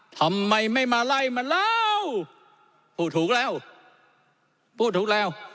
ทำไมไม่มาไล่มาแล้วพูดถูกแล้วพูดถูกแล้ว